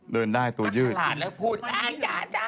เดินได้ตัวยืดแล้วก็ฉลาดแล้วพูดแหละจ๊ะจ๊ะ